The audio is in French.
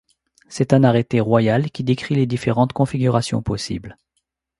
C'est un arrêté royal qui décrit les différentes configurations possibles.